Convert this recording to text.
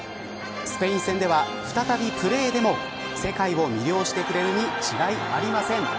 スペイン戦では再びプレーでも世界を魅了してくれるに違いありません。